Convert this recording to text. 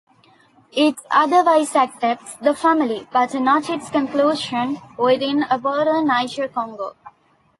It otherwise accepts the family, but not its inclusion within a broader Niger-Congo.